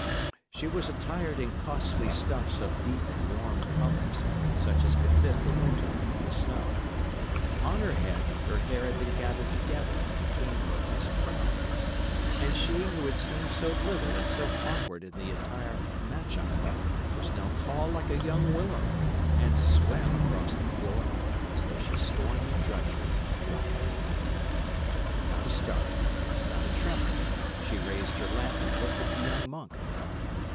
She was attired in costly stuffs of deep and warm colours, such as befit the winter and the snow. Upon her head, her hair had been gathered together and became her as a crown. And she, who had seemed so little and so awkward in the attire of Matcham, was now tall like a young willow, and swam across the floor as though she scorned the drudgery of walking. Without a start, without a tremor, she raised her lamp and looked at the young monk.